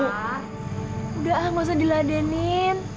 pak udah ah gak usah diladenin